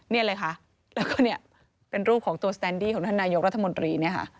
นี่เลยค่ะแล้วก็เนี่ยเป็นรูปของตัวสแตนดี้ของท่านนายกรัฐมนตรีเนี่ยค่ะ